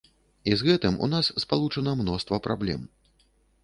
І з гэтым у нас спалучана мноства праблем.